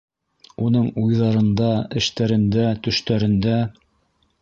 Уның уйҙарында, эштәрендә, төштәрендә.